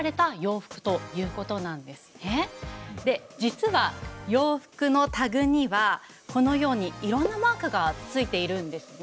実は洋服のタグにはこのようにいろんなマークがついているんですね。